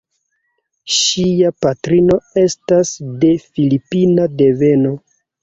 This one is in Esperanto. Ŝia patrino estas de filipina deveno.